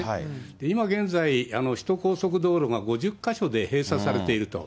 今現在、首都高速道路が５０か所で閉鎖されていると。